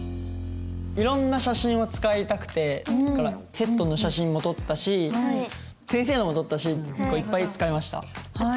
いろんな写真を使いたくてだからセットの写真も撮ったし先生のも撮ったし結構いっぱい使いました。